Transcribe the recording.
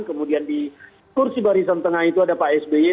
kemudian di kursi barisan tengah itu ada pak sby